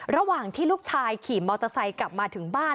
ระหว่างที่ลูกชายขี่มอเตอร์ไซค์กลับมาถึงบ้าน